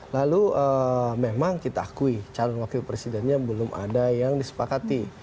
lalu memang kita akui calon wakil presidennya belum ada yang disepakati